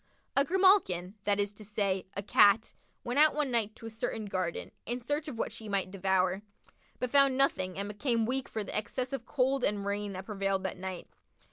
A grimalkin, that is to say, a Cat, went out one night to a certain garden, in search of what she might devour, but found nothing and became weak for the excess of cold and rain that prevailed that night.